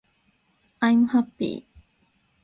i'm happy